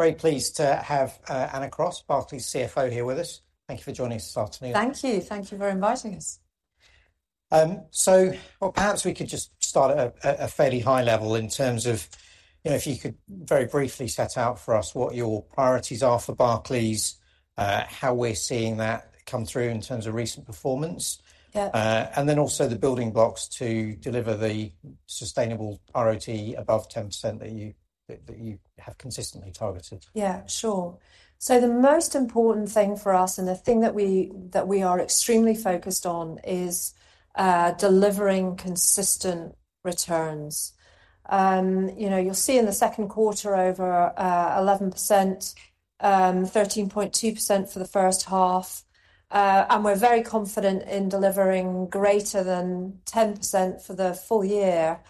Very pleased to have, Anna Cross, Barclays CFO, here with us. Thank you for joining us this afternoon. Thank you. Thank you for inviting us. Well, perhaps we could just start at a fairly high level in terms of, you know, if you could very briefly set out for us what your priorities are for Barclays, how we're seeing that come through in terms of recent performance. Yeah. And then also the building blocks to deliver the sustainable ROTE above 10% that you have consistently targeted. Yeah, sure. So the most important thing for us, and the thing that we, that we are extremely focused on is delivering consistent returns. You know, you'll see in the second quarter over 11%, 13.2% for the first half. And we're very confident in delivering greater than 10% for the full year,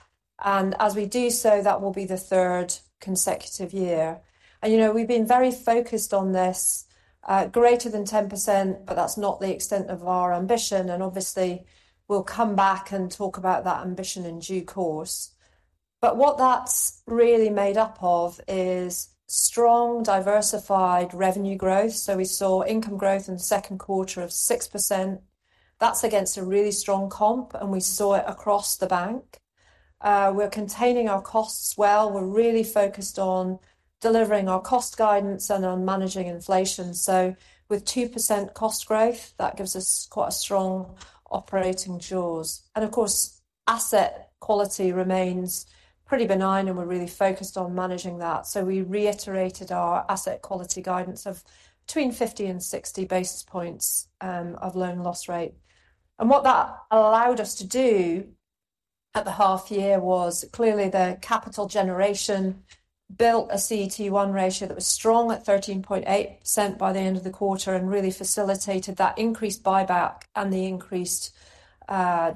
and as we do so, that will be the third consecutive year. And, you know, we've been very focused on this greater than 10%, but that's not the extent of our ambition, and obviously, we'll come back and talk about that ambition in due course. But what that's really made up of is strong, diversified revenue growth. So we saw income growth in the second quarter of 6%. That's against a really strong comp, and we saw it across the bank. We're containing our costs well. We're really focused on delivering our cost guidance and on managing inflation. So with 2% cost growth, that gives us quite a strong operating jaws. And of course, asset quality remains pretty benign, and we're really focused on managing that. So we reiterated our asset quality guidance of between 50 and 60 basis points of loan loss rate. And what that allowed us to do at the half year was clearly the capital generation built a CET1 ratio that was strong at 13.8% by the end of the quarter and really facilitated that increased buyback and the increased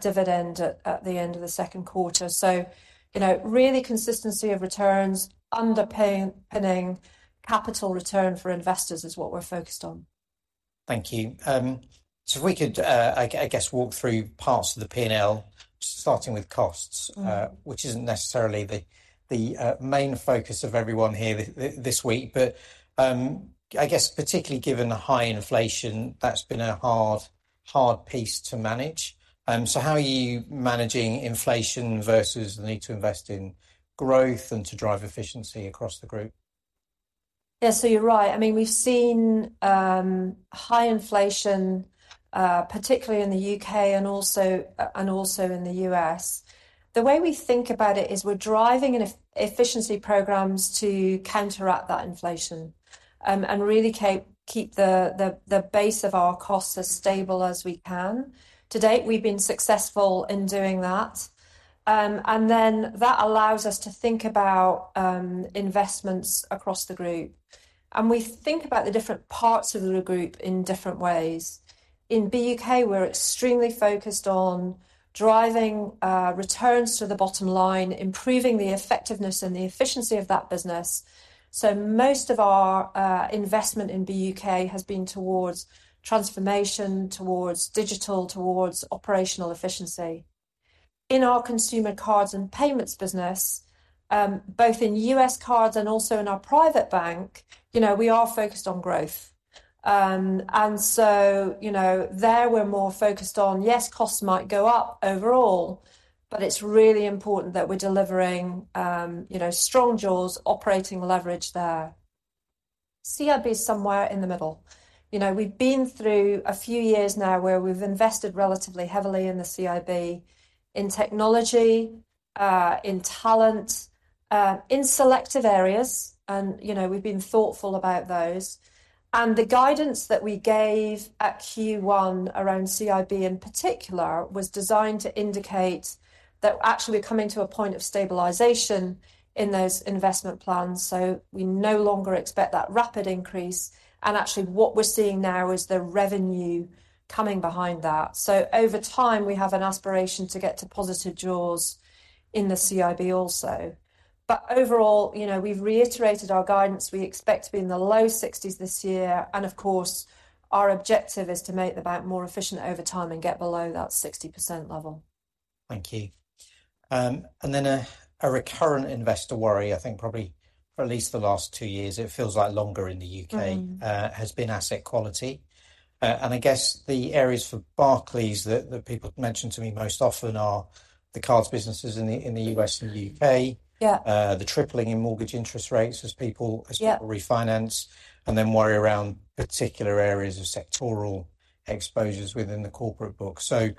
dividend at the end of the second quarter. So, you know, really consistency of returns, underpinning capital return for investors is what we're focused on. Thank you. So if we could, I guess, walk through parts of the P&L, starting with costs- Mm. which isn't necessarily the main focus of everyone here this week, but I guess particularly given the high inflation, that's been a hard, hard piece to manage. So how are you managing inflation versus the need to invest in growth and to drive efficiency across the group? Yeah. So you're right. I mean, we've seen high inflation, particularly in the U.K. and also in the U.S. The way we think about it is we're driving efficiency programs to counteract that inflation, and really keep the base of our costs as stable as we can. To date, we've been successful in doing that. And then that allows us to think about investments across the group, and we think about the different parts of the group in different ways. In BUK, we're extremely focused on driving returns to the bottom line, improving the effectiveness and the efficiency of that business, so most of our investment in BUK has been towards transformation, towards digital, towards operational efficiency. In our consumer cards and payments business, both in U.S. cards and also in our private bank, you know, we are focused on growth. So, you know, there, we're more focused on, yes, costs might go up overall, but it's really important that we're delivering, you know, strong jaws, operating leverage there. CIB is somewhere in the middle. You know, we've been through a few years now where we've invested relatively heavily in the CIB, in technology, in talent, in selective areas, and, you know, we've been thoughtful about those. The guidance that we gave at Q1 around CIB, in particular, was designed to indicate that we're actually coming to a point of stabilization in those investment plans, so we no longer expect that rapid increase. Actually, what we're seeing now is the revenue coming behind that. Over time, we have an aspiration to get to positive jaws in the CIB also. But overall, you know, we've reiterated our guidance. We expect to be in the low 60s this year, and of course, our objective is to make the bank more efficient over time and get below that 60% level. Thank you. And then a recurrent investor worry, I think probably for at least the last two years, it feels like longer in the UK- Mm-hmm... has been asset quality. And I guess the areas for Barclays that people mention to me most often are the cards businesses in the US and UK. Yeah. The tripling in mortgage interest rates as people- Yeah... as people refinance, and then worry around particular areas of sectoral exposures within the corporate book. So,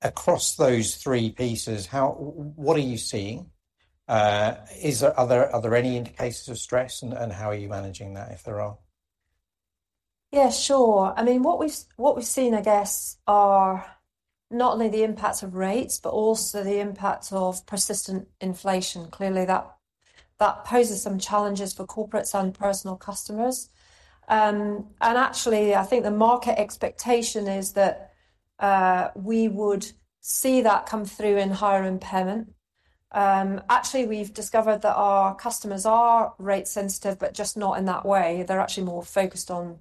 across those three pieces, what are you seeing? Is there... are there any indications of stress, and how are you managing that if there are? Yeah, sure. I mean, what we've, what we've seen, I guess, are not only the impact of rates but also the impact of persistent inflation. Clearly, that, that poses some challenges for corporates and personal customers. And actually, I think the market expectation is that we would see that come through in higher impairment. Actually, we've discovered that our customers are rate sensitive, but just not in that way. They're actually more focused on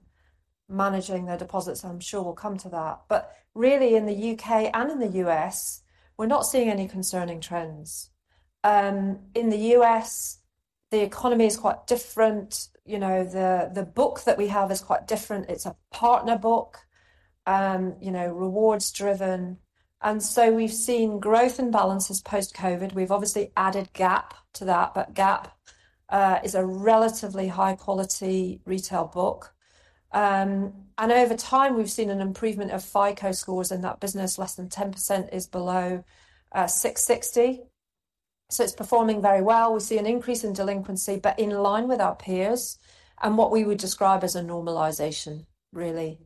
managing their deposits, I'm sure we'll come to that. But really, in the U.K. and in the U.S., we're not seeing any concerning trends. In the U.S., the economy is quite different. You know, the, the book that we have is quite different. It's a partner book, you know, rewards-driven, and so we've seen growth in balances post-COVID. We've obviously added Gap to that, but Gap is a relatively high-quality retail book. And over time, we've seen an improvement of FICO scores, in that business less than 10% is below 660, so it's performing very well. We see an increase in delinquency, but in line with our peers and what we would describe as a normalization, really.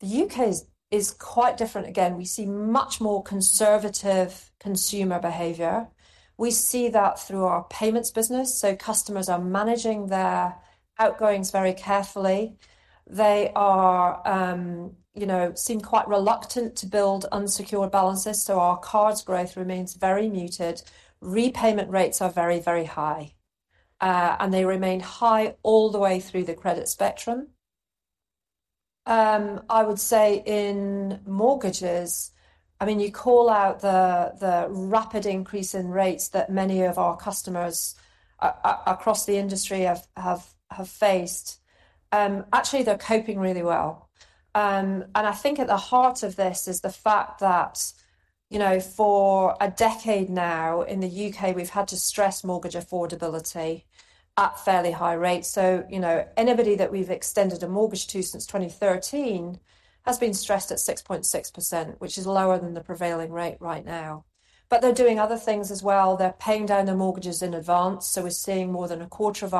The UK is quite different. Again, we see much more conservative consumer behavior. We see that through our payments business, so customers are managing their outgoings very carefully. They are, you know, seem quite reluctant to build unsecured balances, so our cards growth remains very muted. Repayment rates are very, very high, and they remain high all the way through the credit spectrum. I would say in mortgages, I mean, you call out the rapid increase in rates that many of our customers across the industry have faced. Actually, they're coping really well. I think at the heart of this is the fact that, you know, for a decade now in the U.K., we've had to stress mortgage affordability at fairly high rates. You know, anybody that we've extended a mortgage to since 2013 has been stressed at 6.6%, which is lower than the prevailing rate right now. They're doing other things as well. They're paying down their mortgages in advance, so we're seeing more than a quarter of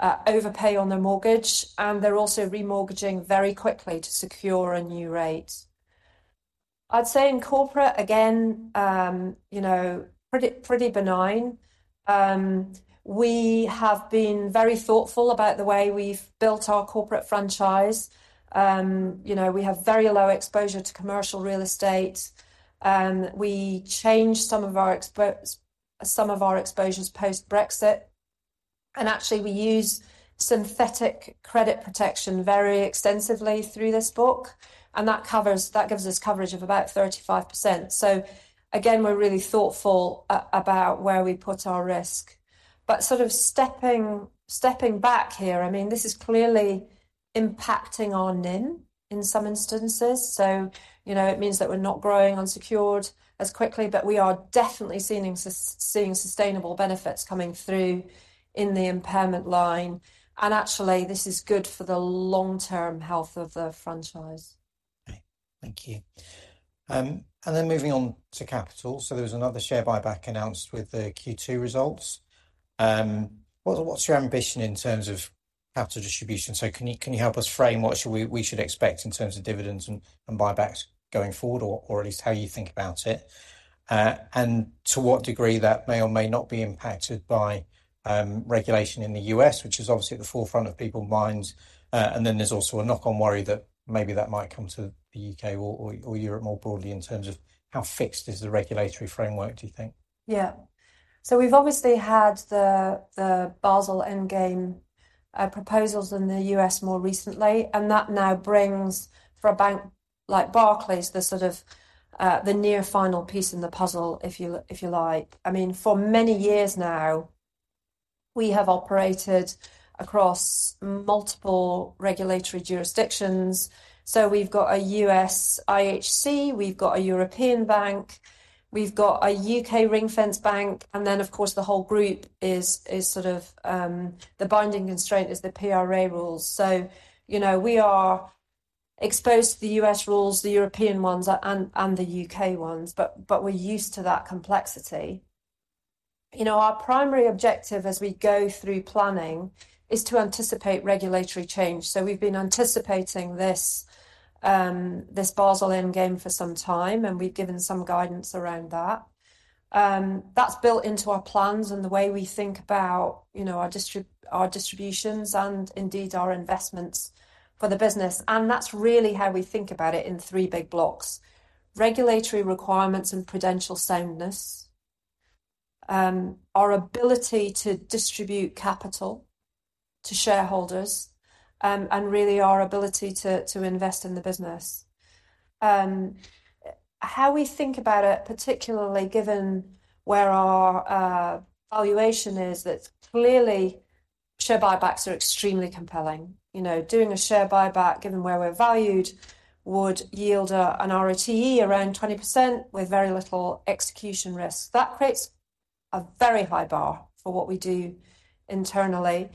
our book overpay on their mortgage, and they're also remortgaging very quickly to secure a new rate. I'd say in corporate, again, you know, pretty, pretty benign. We have been very thoughtful about the way we've built our corporate franchise. You know, we have very low exposure to commercial real estate, and we changed some of our exposures post-Brexit, and actually, we use synthetic credit protection very extensively through this book, and that gives us coverage of about 35%. So again, we're really thoughtful about where we put our risk. But sort of stepping back here, I mean, this is clearly impacting our NIM in some instances. So, you know, it means that we're not growing unsecured as quickly, but we are definitely seeing sustainable benefits coming through in the impairment line, and actually, this is good for the long-term health of the franchise. Okay. Thank you. And then moving on to capital. There was another share buyback announced with the Q2 results. What is your ambition in terms of capital distribution? Can you help us frame what we should expect in terms of dividends and buybacks going forward, or at least how you think about it? To what degree may or may not that be impacted by regulation in the U.S., which is obviously at the forefront of people's minds? There is also a knock-on worry that maybe that might come to the U.K. or Europe more broadly. In terms of how fixed is the regulatory framework, do you think? Yeah. So we've obviously had the Basel Endgame proposals in the U.S. more recently, and that now brings, for a bank like Barclays, the sort of the near final piece in the puzzle, if you like. I mean, for many years now, we have operated across multiple regulatory jurisdictions. So we've got a U.S. IHC, we've got a European bank, we've got a U.K. ring-fence bank, and then, of course, the whole group is sort of the binding constraint is the PRA rules. So, you know, we are exposed to the U.S. rules, the European ones, and the U.K. ones, but we're used to that complexity. You know, our primary objective as we go through planning is to anticipate regulatory change. So we've been anticipating this Basel Endgame for some time, and we've given some guidance around that. That's built into our plans and the way we think about, you know, our distributions and indeed, our investments for the business, and that's really how we think about it in three big blocks: regulatory requirements and prudential soundness, our ability to distribute capital to shareholders, and really our ability to, to invest in the business. How we think about it, particularly given where our valuation is, that clearly share buybacks are extremely compelling. You know, doing a share buyback, given where we're valued, would yield a, an ROTE around 20% with very little execution risk. That creates a very high bar for what we do internally,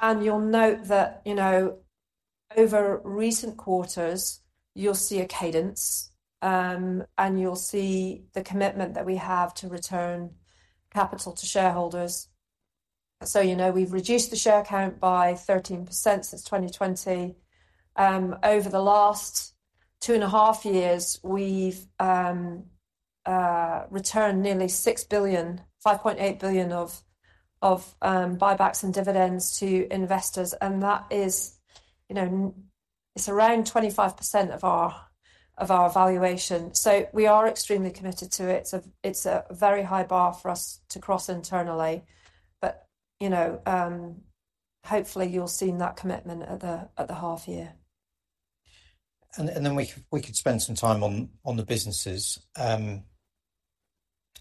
and you'll note that, you know, over recent quarters, you'll see a cadence, and you'll see the commitment that we have to return capital to shareholders. So, you know, we've reduced the share count by 13% since 2020. Over the last two and a half years, we've returned nearly 6 billion, 5.8 billion of buybacks and dividends to investors, and that is, you know, it's around 25% of our valuation, so we are extremely committed to it. So it's a very high bar for us to cross internally, but, you know, hopefully you'll have seen that commitment at the half year. And then we could spend some time on the businesses,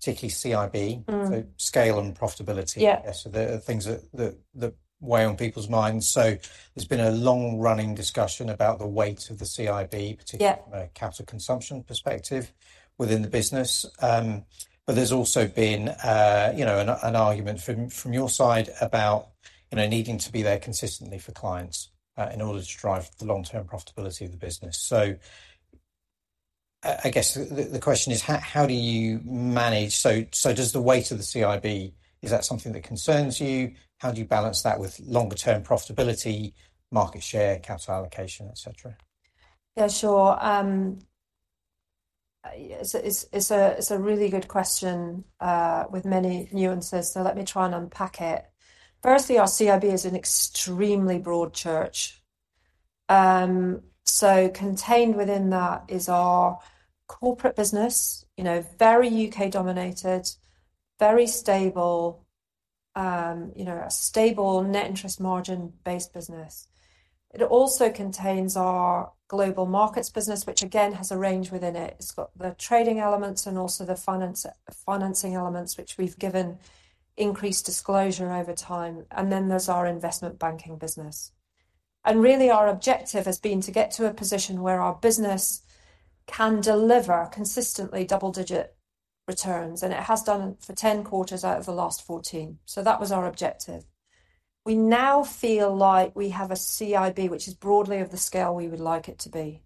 particularly CIB- Mm. the scale and profitability. Yeah. So the things that weigh on people's minds. So there's been a long-running discussion about the weight of the CIB- Yeah... particularly from a capital consumption perspective within the business. But there's also been, you know, an argument from your side about, you know, needing to be there consistently for clients in order to drive the long-term profitability of the business. So I guess the question is: how do you manage... So, does the weight of the CIB, is that something that concerns you? How do you balance that with longer-term profitability, market share, capital allocation, et cetera? Yeah, sure. Yeah, it's a really good question with many nuances, so let me try and unpack it. Firstly, our CIB is an extremely broad church. So contained within that is our corporate business, you know, very UK-dominated, very stable, you know, a stable net interest margin-based business. It also contains our global markets business, which again, has a range within it. It's got the trading elements and also the finance, financing elements, which we've given increased disclosure over time, and then there's our investment banking business. And really, our objective has been to get to a position where our business can deliver consistently double-digit returns, and it has done for 10 quarters out of the last 14. So that was our objective. We now feel like we have a CIB, which is broadly of the scale we would like it to be.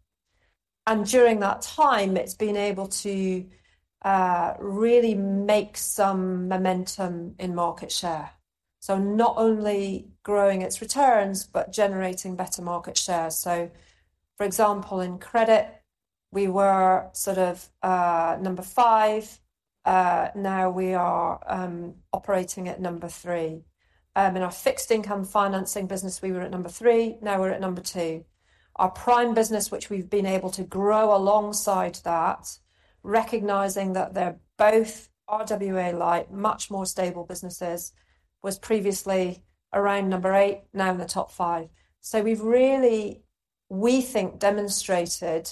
During that time, it's been able to really make some momentum in market share, so not only growing its returns but generating better market share. For example, in credit, we were sort of number 5, now we are operating at number 3. In our fixed income financing business, we were at number 3, now we're at number 2. Our prime business, which we've been able to grow alongside that, recognizing that they're both RWA-light, much more stable businesses, was previously around number 8, now in the top 5. So we've really, we think, demonstrated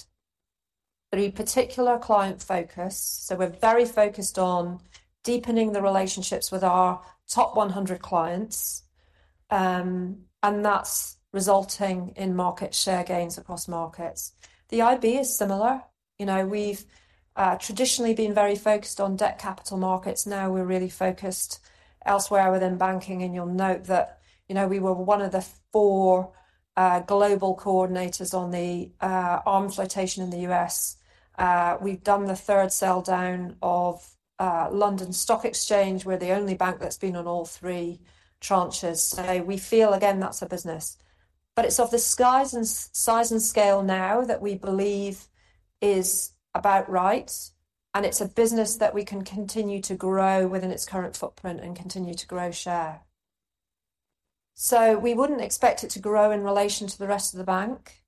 a particular client focus. We're very focused on deepening the relationships with our top 100 clients, and that's resulting in market share gains across markets. The IB is similar. You know, we've traditionally been very focused on debt capital markets, now we're really focused elsewhere within banking. And you'll note that, you know, we were one of the four global coordinators on the Arm flotation in the U.S. We've done the third sell down of London Stock Exchange, we're the only bank that's been on all three tranches. So we feel, again, that's a business. But it's of the size and scale now that we believe is about right, and it's a business that we can continue to grow within its current footprint and continue to grow share. So we wouldn't expect it to grow in relation to the rest of the bank.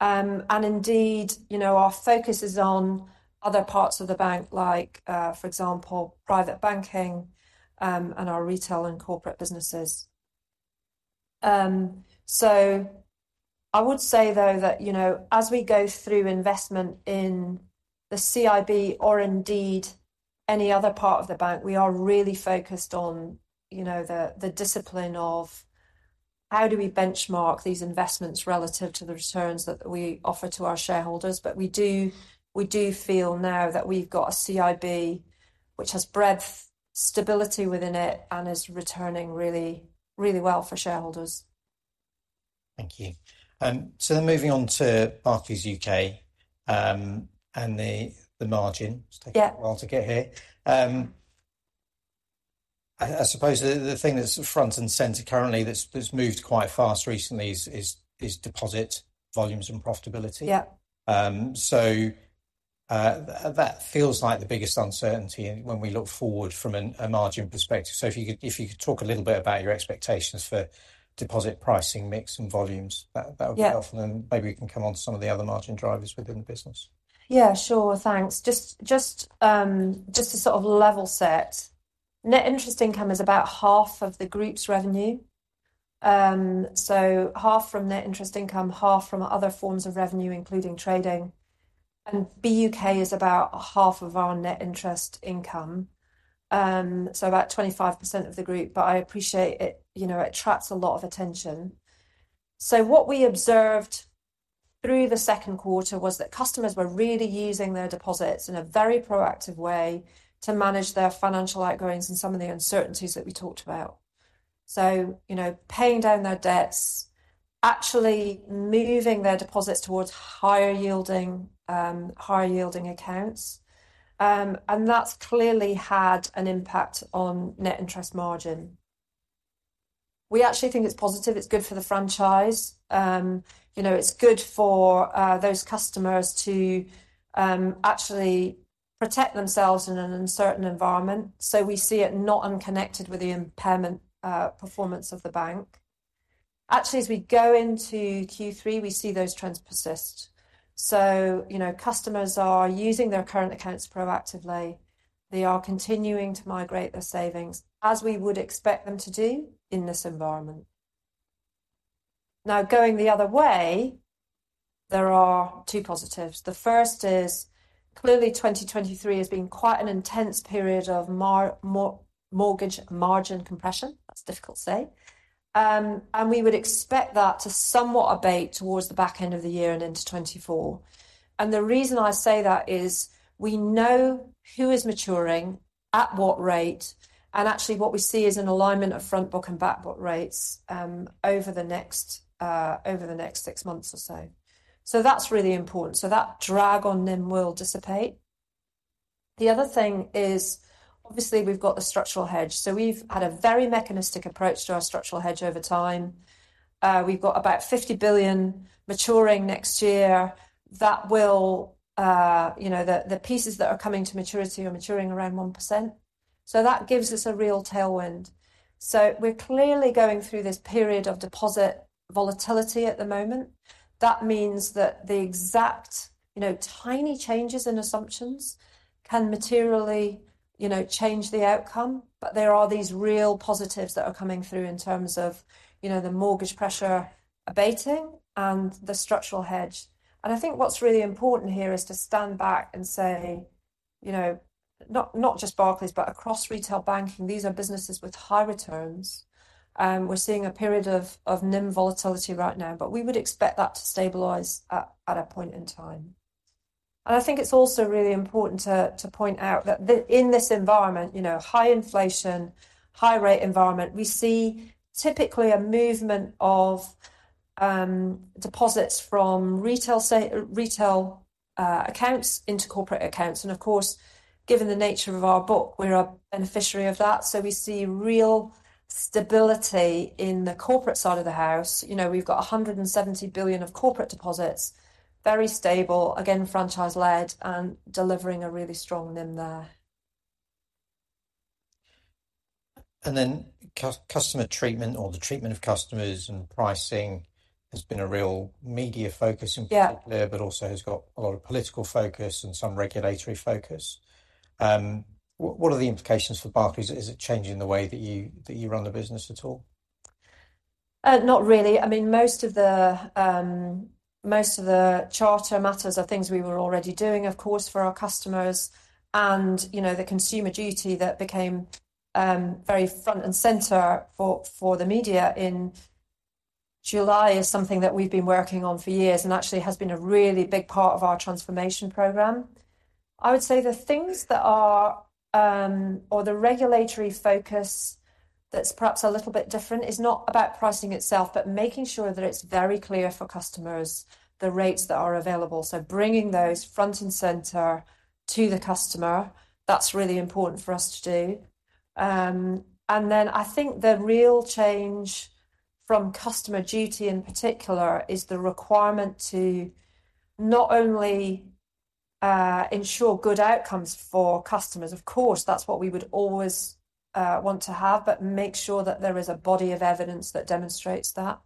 And indeed, you know, our focus is on other parts of the bank, like, for example, private banking, and our retail and corporate businesses. So I would say, though, that, you know, as we go through investment in the CIB, or indeed any other part of the bank, we are really focused on, you know, the discipline of how do we benchmark these investments relative to the returns that we offer to our shareholders. But we do, we do feel now that we've got a CIB which has breadth, stability within it, and is returning really, really well for shareholders. Thank you. So then moving on to Barclays UK, and the margin. Yeah. It's taken a while to get here. I suppose the thing that's front and center currently that's moved quite fast recently is deposit volumes and profitability. Yeah. So, that feels like the biggest uncertainty when we look forward from a margin perspective. So if you could talk a little bit about your expectations for deposit pricing, mix, and volumes, that- Yeah... that would be helpful, and then maybe we can come on to some of the other margin drivers within the business. Yeah, sure. Thanks. Just to sort of level set, net interest income is about half of the group's revenue. So half from net interest income, half from other forms of revenue, including trading, and BUK is about half of our net interest income, so about 25% of the group, but I appreciate it, you know, it attracts a lot of attention. So what we observed through the second quarter was that customers were really using their deposits in a very proactive way to manage their financial outgoings and some of the uncertainties that we talked about. So, you know, paying down their debts, actually moving their deposits towards higher yielding, higher yielding accounts, and that's clearly had an impact on net interest margin. We actually think it's positive, it's good for the franchise. You know, it's good for those customers to actually protect themselves in an uncertain environment, so we see it not unconnected with the impairment performance of the bank. Actually, as we go into Q3, we see those trends persist. You know, customers are using their current accounts proactively. They are continuing to migrate their savings, as we would expect them to do in this environment. Now, going the other way, there are two positives: the first is clearly 2023 has been quite an intense period of mortgage margin compression. That's difficult to say. We would expect that to somewhat abate towards the back end of the year and into 2024. The reason I say that is we know who is maturing, at what rate, and actually what we see is an alignment of front book and back book rates over the next six months or so. That's really important. That drag on NIM will dissipate. The other thing is, obviously, we've got the structural hedge, so we've had a very mechanistic approach to our structural hedge over time. We've got about 50 billion maturing next year. That will, you know, the pieces that are coming to maturity are maturing around 1%, so that gives us a real tailwind. We're clearly going through this period of deposit volatility at the moment. That means that the exact, you know, tiny changes in assumptions can materially, you know, change the outcome. There are these real positives that are coming through in terms of, you know, the mortgage pressure abating and the structural hedge. I think what's really important here is to stand back and say, you know, not just Barclays, but across retail banking, these are businesses with high returns. We're seeing a period of NIM volatility right now, but we would expect that to stabilize at a point in time. I think it's also really important to point out that in this environment, you know, high inflation, high-rate environment, we see typically a movement of deposits from retail accounts into corporate accounts, and of course, given the nature of our book, we're a beneficiary of that. We see real stability in the corporate side of the house. You know, we've got 170 billion of corporate deposits, very stable, again, franchise-led and delivering a really strong NIM there. Then customer treatment or the treatment of customers and pricing has been a real media focus in particular... Yeah... but also has got a lot of political focus and some regulatory focus. What are the implications for Barclays? Is it changing the way that you run the business at all? Not really. I mean, most of the charter matters are things we were already doing, of course, for our customers. And, you know, the Consumer Duty that became very front and center for the media in July is something that we've been working on for years and actually has been a really big part of our transformation program. I would say the things that are, or the regulatory focus that's perhaps a little bit different, is not about pricing itself, but making sure that it's very clear for customers, the rates that are available. So bringing those front and center to the customer, that's really important for us to do. And then I think the real change from Consumer Duty in particular is the requirement to not only ensure good outcomes for customers, of course, that's what we would always want to have, but make sure that there is a body of evidence that demonstrates that.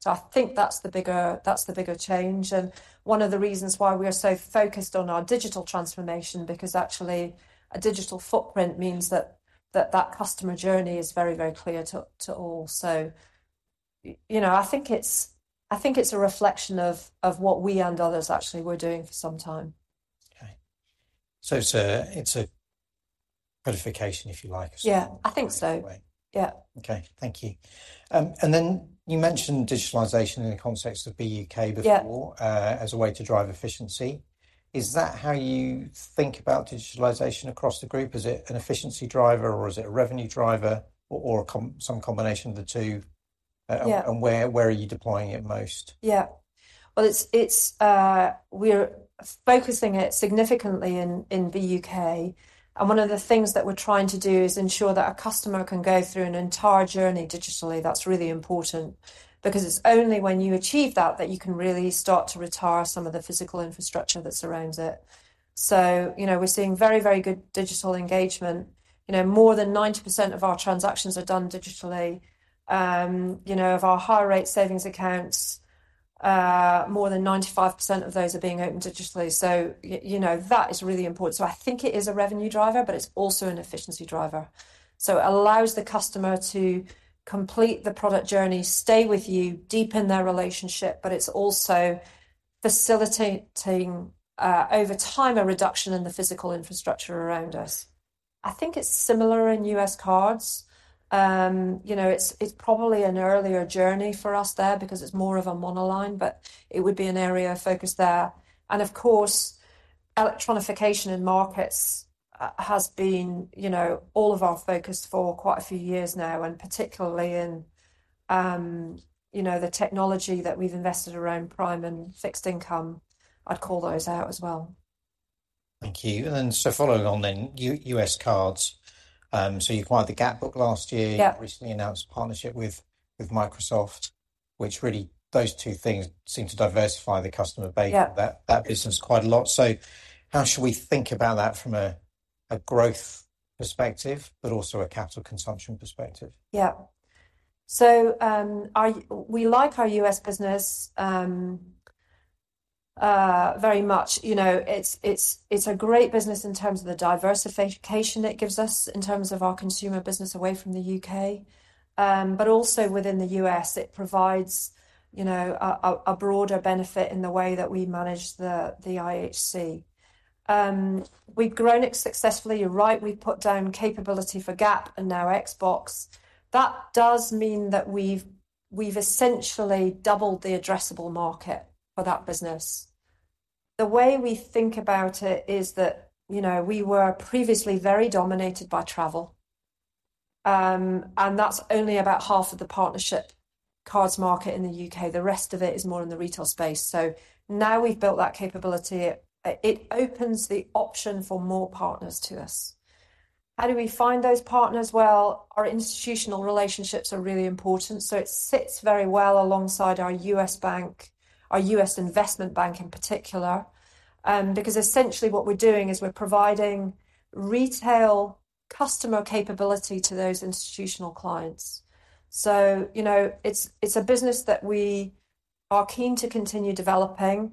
So I think that's the bigger, that's the bigger change, and one of the reasons why we are so focused on our digital transformation, because actually a digital footprint means that customer journey is very, very clear to all. So you know, I think it's, I think it's a reflection of what we and others actually were doing for some time. Okay. It's a purification, if you like. Yeah, I think so. Right. Yeah. Okay. Thank you. And then you mentioned digitalization in the context of BUK before- Yeah... as a way to drive efficiency. Is that how you think about digitalization across the group? Is it an efficiency driver, or is it a revenue driver, or some combination of the two? Yeah. Where, where are you deploying it most? Yeah. Well, it's... We're focusing it significantly in the UK, and one of the things that we're trying to do is ensure that a customer can go through an entire journey digitally. That's really important, because it's only when you achieve that, that you can really start to retire some of the physical infrastructure that surrounds it. So, you know, we're seeing very, very good digital engagement. You know, more than 90% of our transactions are done digitally. You know, of our high rate savings accounts, more than 95% of those are being opened digitally. So you know, that is really important. So I think it is a revenue driver, but it's also an efficiency driver. So it allows the customer to complete the product journey, stay with you, deepen their relationship, but it's also facilitating, over time, a reduction in the physical infrastructure around us. I think it's similar in US cards. You know, it's, it's probably an earlier journey for us there because it's more of a monoline, but it would be an area of focus there. And of course, electronification in markets has been, you know, all of our focus for quite a few years now, and particularly in, you know, the technology that we've invested around prime and fixed income. I'd call those out as well. Thank you. And then, so following on then, U.S. cards, so you acquired the Gap book last year. Yeah. Recently announced a partnership with Microsoft, which really those two things seem to diversify the customer base- Yeah. of that, that business quite a lot. So how should we think about that from a growth perspective, but also a capital consumption perspective? Yeah. So, we like our US business very much. You know, it's a great business in terms of the diversification it gives us, in terms of our consumer business away from the UK. But also within the US, it provides, you know, a broader benefit in the way that we manage the IHC. We've grown it successfully. You're right, we've put down capability for Gap and now Xbox. That does mean that we've essentially doubled the addressable market for that business. The way we think about it is that, you know, we were previously very dominated by travel, and that's only about half of the partnership cards market in the UK. The rest of it is more in the retail space. So now we've built that capability, it opens the option for more partners to us. How do we find those partners? Well, our institutional relationships are really important, so it sits very well alongside our U.S. bank, our U.S. investment bank in particular. Because essentially what we're doing is we're providing retail customer capability to those institutional clients. So, you know, it's a business that we are keen to continue developing,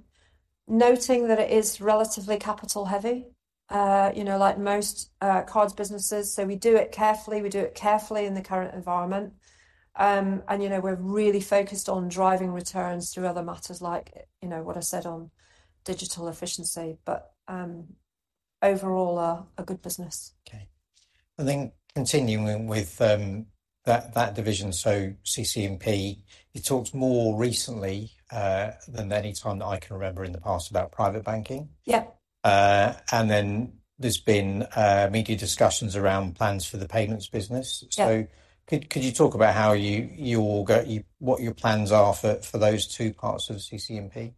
noting that it is relatively capital-heavy, you know, like most cards businesses. So we do it carefully, we do it carefully in the current environment. And, you know, we're really focused on driving returns through other matters, like, you know, what I said on digital efficiency, but, overall, a good business. Okay. And then continuing with that division, so CC&P, you talked more recently than any time that I can remember in the past about private banking. Yeah. And then there's been media discussions around plans for the payments business. Yeah. So could you talk about what your plans are for those two parts of CC&P?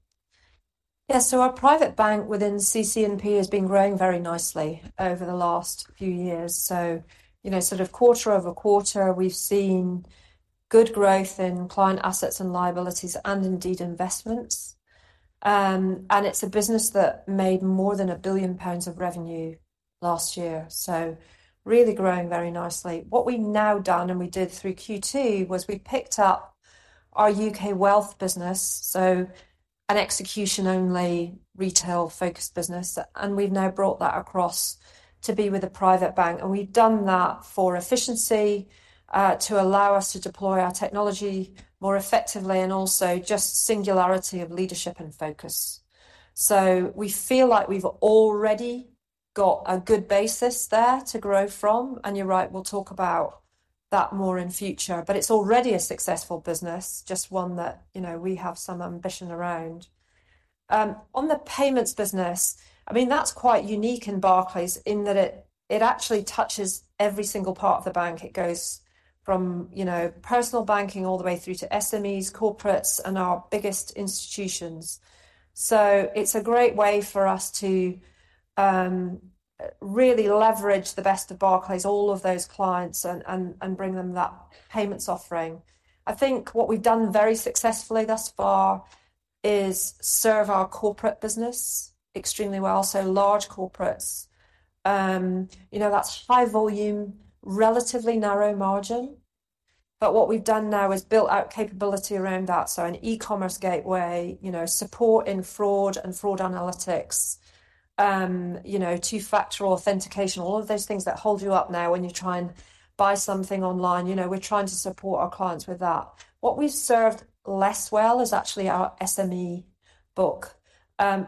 Yeah. So our private bank within CC&P has been growing very nicely over the last few years. So, you know, sort of quarter-over-quarter, we've seen good growth in client assets and liabilities and indeed investments. And it's a business that made more than 1 billion pounds of revenue last year, so really growing very nicely. What we've now done, and we did through Q2, was we picked up our UK wealth business, so an execution-only, retail-focused business, and we've now brought that across to be with the private bank. And we've done that for efficiency, to allow us to deploy our technology more effectively and also just singularity of leadership and focus. So we feel like we've already got a good basis there to grow from, and you're right, we'll talk about that more in future. But it's already a successful business, just one that, you know, we have some ambition around. On the payments business, I mean, that's quite unique in Barclays in that it, it actually touches every single part of the bank. It goes from, you know, personal banking all the way through to SMEs, corporates, and our biggest institutions. So it's a great way for us to really leverage the best of Barclays, all of those clients, and, and, and bring them that payments offering. I think what we've done very successfully thus far is serve our corporate business extremely well, so large corporates. You know, that's high volume, relatively narrow margin, but what we've done now is built out capability around that, so an e-commerce gateway, you know, support in fraud and fraud analytics, you know, two-factor authentication, all of those things that hold you up now when you try and buy something online. You know, we're trying to support our clients with that. What we've served less well is actually our SME book.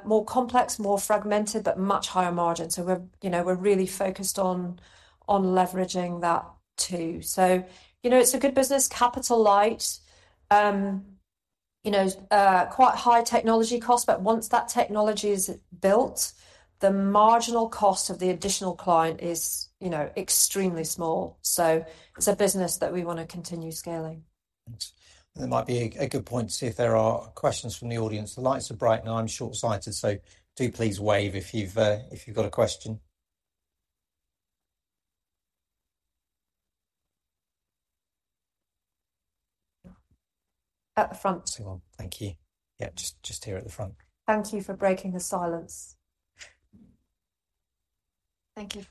More complex, more fragmented, but much higher margin, so we're, you know, we're really focused on, on leveraging that too. So, you know, it's a good business, capital light. You know, quite high technology cost, but once that technology is built, the marginal cost of the additional client is, you know, extremely small. So it's a business that we want to continue scaling. Thanks. That might be a good point to see if there are questions from the audience. The lights are bright, and I'm short-sighted, so do please wave if you've got a question. At the front. Well, thank you. Yeah, just here at the front. Thank you for breaking the silence. Thank you.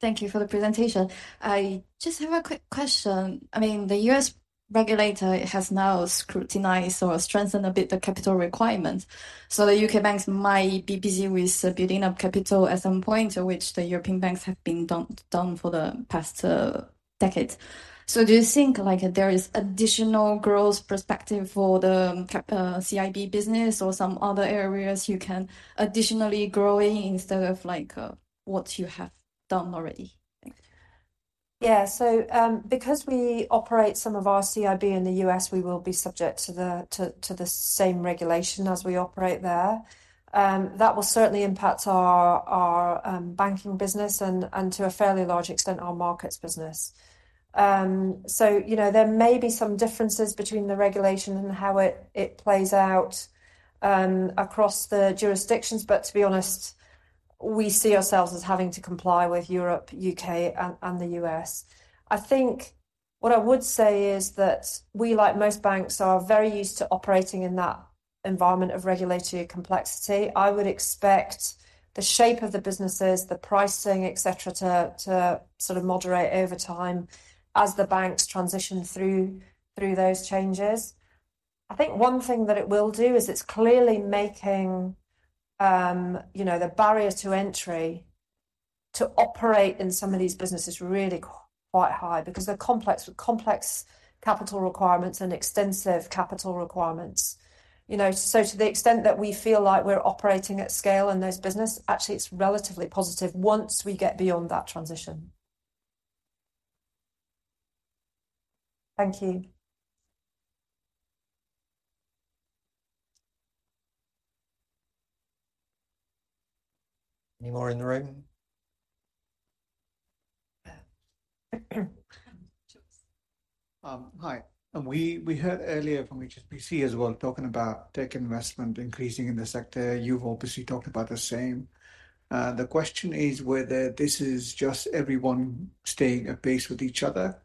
Thank you for the presentation. I just have a quick question. I mean, the U.S. regulator has now scrutinized or strengthened a bit the capital requirements, so the U.K. banks might be busy with building up capital at some point, which the European banks have been done, done for the past decades. Do you think, like, there is additional growth perspective for the CIB business or some other areas you can additionally grow in, instead of like, what you have done already? Thanks. Yeah. So, because we operate some of our CIB in the U.S., we will be subject to the same regulation as we operate there. That will certainly impact our banking business and to a fairly large extent, our markets business. So, you know, there may be some differences between the regulation and how it plays out across the jurisdictions, but to be honest, we see ourselves as having to comply with Europe, U.K., and the U.S. I think what I would say is that we, like most banks, are very used to operating in that environment of regulatory complexity. I would expect the shape of the businesses, the pricing, et cetera, to sort of moderate over time as the banks transition through those changes. I think one thing that it will do is it's clearly making, you know, the barrier to entry to operate in some of these businesses really quite high because they're complex, with complex capital requirements and extensive capital requirements. You know, so to the extent that we feel like we're operating at scale in this business, actually, it's relatively positive once we get beyond that transition. Thank you. Any more in the room? Hi. We heard earlier from HSBC as well, talking about tech investment increasing in the sector. You've obviously talked about the same. The question is whether this is just everyone staying apace with each other,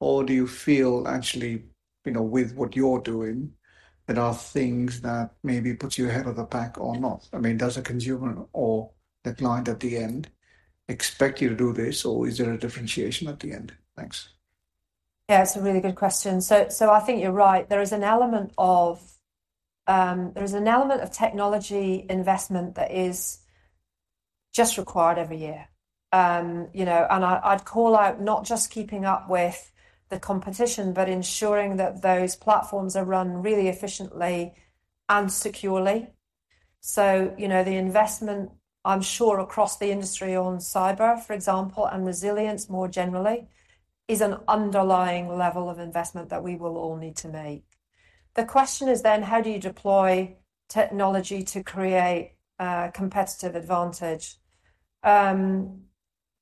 or do you feel actually, you know, with what you're doing, there are things that maybe puts you ahead of the pack or not? I mean, does a consumer or the client at the end expect you to do this, or is there a differentiation at the end? Thanks. Yeah, it's a really good question. I think you're right. There is an element of technology investment that is just required every year. You know, and I'd call out not just keeping up with the competition, but ensuring that those platforms are run really efficiently and securely. You know, the investment, I'm sure, across the industry on cyber, for example, and resilience more generally, is an underlying level of investment that we will all need to make. The question is then: how do you deploy technology to create, uh, competitive advantage?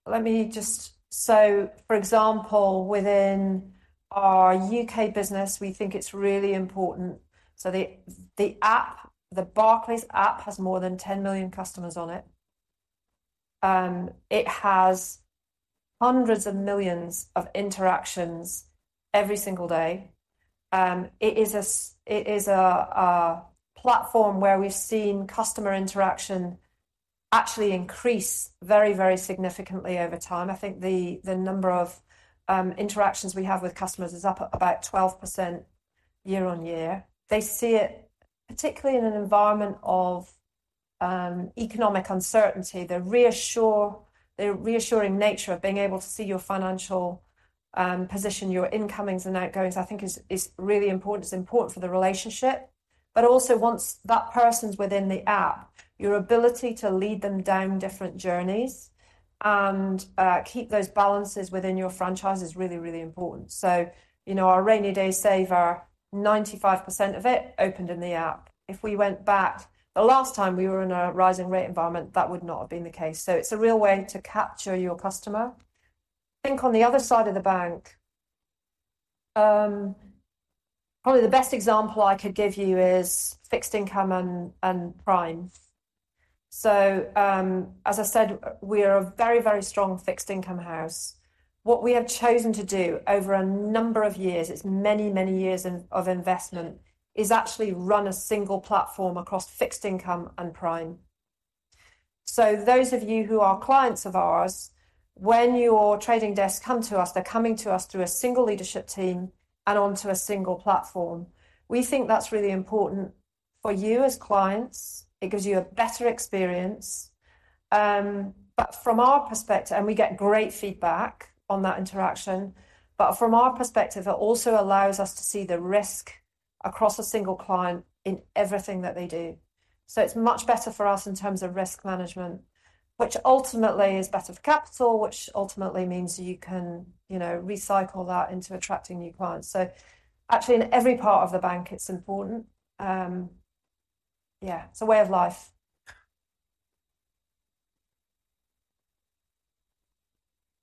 Let me just... For example, within our U.K. business, we think it's really important. The app, the Barclays App, has more than 10 million customers on it. It has hundreds of millions of interactions every single day. It is a platform where we've seen customer interaction actually increase very, very significantly over time. I think the number of interactions we have with customers is up about 12% year-on-year. They see it, particularly in an environment of economic uncertainty, the reassuring nature of being able to see your financial position, your incomings and outgoings, I think is really important. It's important for the relationship, but also once that person's within the app, your ability to lead them down different journeys and keep those balances within your franchise is really, really important. So, you know, our Rainy Day Saver, 95% of it opened in the app. If we went back, the last time we were in a rising rate environment, that would not have been the case. So it's a real way to capture your customer. I think on the other side of the bank, probably the best example I could give you is fixed income and, and prime. So, as I said, we are a very, very strong fixed income house. What we have chosen to do over a number of years, it's many, many years of, of investment, is actually run a single platform across fixed income and prime. So those of you who are clients of ours, when your trading desks come to us, they're coming to us through a single leadership team and onto a single platform. We think that's really important for you as clients. It gives you a better experience, but from our perspective, and we get great feedback on that interaction, but from our perspective, it also allows us to see the risk across a single client in everything that they do. So it's much better for us in terms of risk management, which ultimately is better for capital, which ultimately means you can, you know, recycle that into attracting new clients. So actually, in every part of the bank, it's important. Yeah, it's a way of life.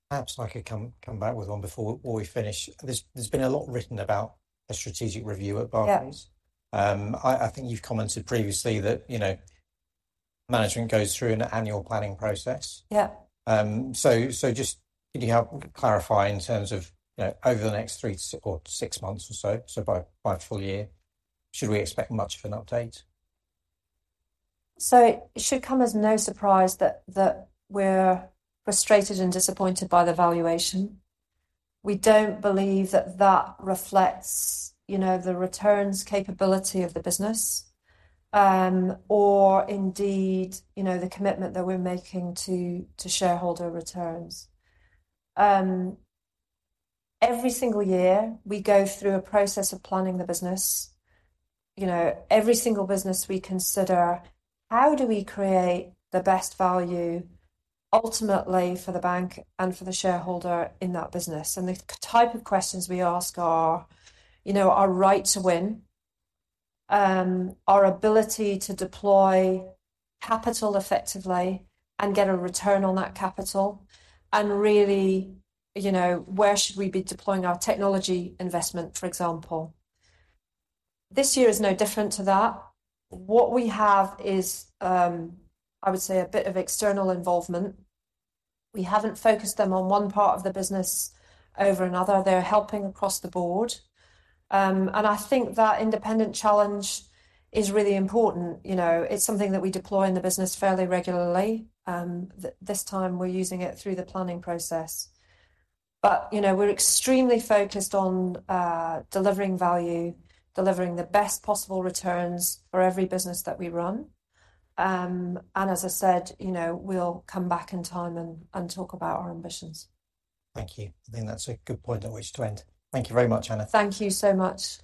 Perhaps I could come back with one before we finish. There's been a lot written about a strategic review at Barclays. Yeah. I think you've commented previously that, you know, management goes through an annual planning process. Yeah. So, just could you help clarify in terms of, you know, over the next three to six or six months or so, by full year, should we expect much of an update? It should come as no surprise that we're frustrated and disappointed by the valuation. We don't believe that reflects, you know, the returns capability of the business, or indeed, you know, the commitment that we're making to shareholder returns. Every single year, we go through a process of planning the business. You know, every single business we consider, how do we create the best value, ultimately for the bank and for the shareholder in that business? The type of questions we ask are, you know, our right to win, you know, our ability to deploy capital effectively and get a return on that capital, and really, you know, where should we be deploying our technology investment, for example. This year is no different to that. What we have is, I would say, a bit of external involvement. We haven't focused them on one part of the business over another. They're helping across the board. And I think that independent challenge is really important, you know. It's something that we deploy in the business fairly regularly, and this time we're using it through the planning process. But, you know, we're extremely focused on delivering value, delivering the best possible returns for every business that we run. And as I said, you know, we'll come back in time and talk about our ambitions. Thank you. I think that's a good point at which to end. Thank you very much, Anna. Thank you so much.